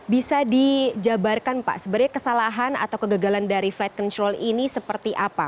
bisa dijabarkan pak sebenarnya kesalahan atau kegagalan dari flight control ini seperti apa